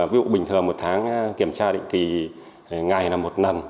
ví dụ bình thường một tháng kiểm tra định kỳ ngày là một lần